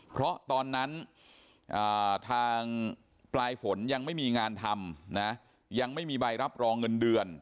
เพราะตอนนั้นทางปลายฝนยังไม่มีงานทำนะยังไม่มีใบรับรองเงินเดือน